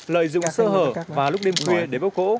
lợi dụng sơ hở và lúc đêm khuya để bóc gỗ